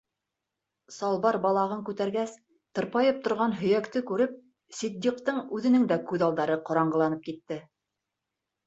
Салбар балағын күтәргәс, тырпайып торған һөйәкте күреп Ситдиҡтың үҙенең дә күҙ алдары ҡараңғыланып китте.